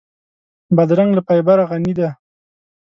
بادرنګ له فایبره غني دی.